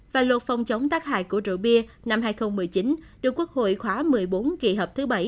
và luật phong chống tác hại của rượu bia năm hai mươi một mươi chín được quốc hội khóa một mươi bốn kỷ hợp thứ bảy